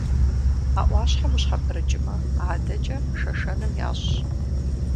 А ӏуащхьэм ущхьэпрыкӏмэ, адэкӏэ Шэшэным ящӏщ.